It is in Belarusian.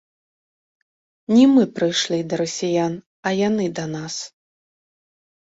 Не мы прыйшлі да расіян, а яны да нас.